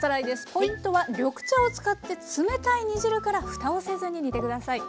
ポイントは緑茶を使って冷たい煮汁からふたをせずに煮て下さい。